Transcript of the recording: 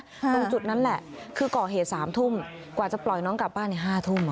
ตรงจุดนั้นแหละคือก่อเหตุ๓ทุ่มกว่าจะปล่อยน้องกลับบ้าน๕ทุ่ม